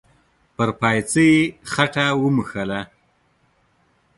پر پايڅه يې خټه و موښله.